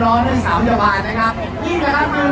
ขอบคุณมากนะคะแล้วก็แถวนี้ยังมีชาติของ